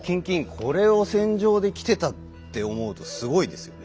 これを戦場で着てたって思うとすごいですよね。